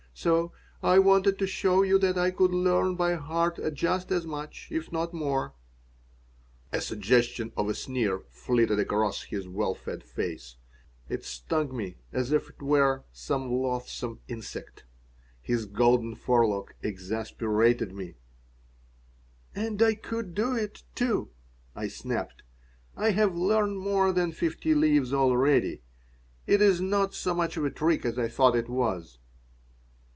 So I wanted to show you that I could learn by heart just as much, if not more." A suggestion of a sneer flitted across his well fed face. It stung me as if it were some loathsome insect. His golden forelock exasperated me "And I could do it, too," I snapped. "I have learned more than fifty leaves already. It is not so much of a trick as I thought it was."